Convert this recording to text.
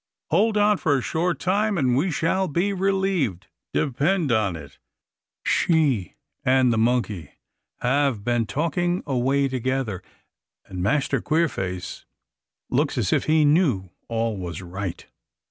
Hold on for a short time, and we shall be relieved, depend on it. She and the monkey have been talking away together, and Master Queerface looks as if he knew all was right."